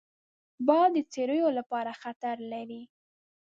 باد د څړیو لپاره خطر لري